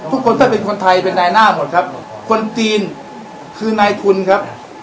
ทุกคนถ้าเป็นคนไทยเป็นนายหน้าหมดครับคนจีนคือนายทุนครับ